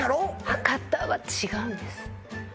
博多は違うんです